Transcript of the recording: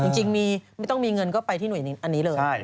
จริงไม่ต้องมีเงินก็ไปที่หน่วยอันนี้เลย